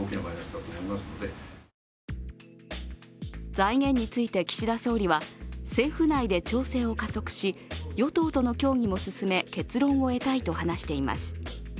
財源について岸田総理は政府内で調整を加速し与党との協議も進め結論を得たいと話しています。